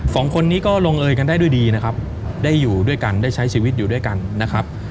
สองคนนี้ก็ลงเอยกันได้ด้วยดีนะครับได้อยู่ด้วยกันได้ใช้ชีวิตอยู่ด้วยกันนะครับ